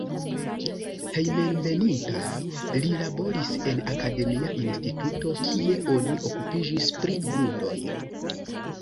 Hejmenveninta li laboris en akademia instituto, kie oni okupiĝis pri grundoj.